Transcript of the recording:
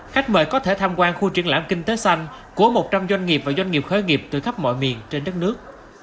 khách mời có thể tham quan khu triển lãm kinh tế xanh của một trăm linh doanh nghiệp và doanh nghiệp khởi nghiệp từ khắp mọi miền trên đất nước